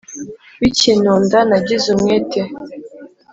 Bikintonda nagize umwete